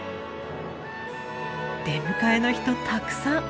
出迎えの人たくさん。